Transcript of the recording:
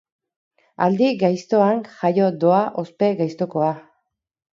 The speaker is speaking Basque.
Aldi gaiztoan jaio doa ospe gaiztokoa.